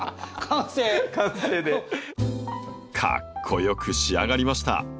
かっこよく仕上がりました！